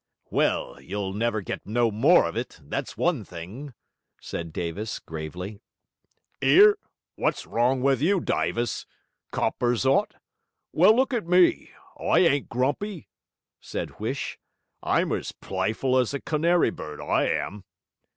'Well, you'll never get no more of it that's one thing,' said Davis, gravely. ''Ere! wot's wrong with you, Dyvis? Coppers 'ot? Well, look at me! I ain't grumpy,' said Huish; 'I'm as plyful as a canary bird, I am.'